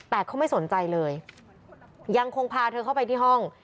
แต่เขาไม่สนใจเลยยังคงพาเธอเข้าไปที่ห้อง